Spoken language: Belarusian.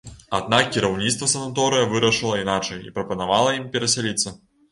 Аднак кіраўніцтва санаторыя вырашыла іначай і прапанавала ім перасяліцца.